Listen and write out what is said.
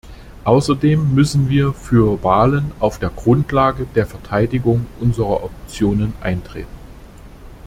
Außerdem müssen wir für Wahlen auf der Grundlage der Verteidigung unserer Optionen eintreten.